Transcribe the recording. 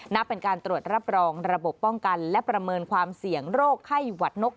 นับเป็นการตรวจรับรองระบบป้องกันและประเมินความเสี่ยงโรคไข้หวัดนก